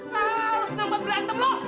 harus nampak berantem lo